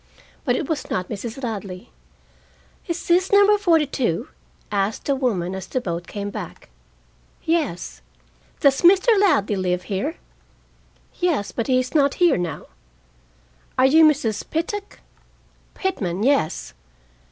But it was not Mrs. Ladley. "Is this number forty two?" asked the woman, as the boat came back. "Yes." "Does Mr. Ladley live here?" "Yes. But he is not here now." "Are you Mrs. Pittock?" "Pitman, yes."